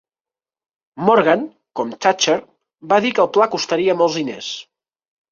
Morgan, com Thatcher, va dir que el pla costaria molts diners.